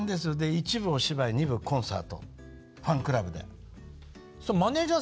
１部お芝居２部はコンサートファンクラブで。